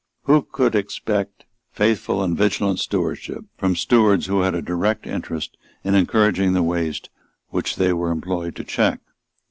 Who could expect faithful and vigilant stewardship from stewards who had a direct interest in encouraging the waste which they were employed to check?